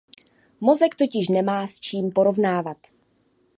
Mozek totiž nemá s čím porovnávat.